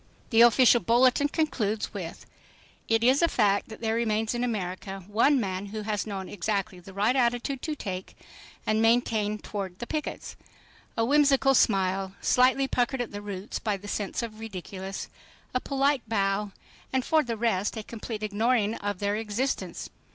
The official bulletin concludes with: "It is a fact that there remains in America one man who has known exactly the right attitude to take and maintain toward the pickets. A whimsical smile, slightly puckered at the roots by a sense of the ridiculous, a polite bow—and for the rest a complete ignoring of their existence.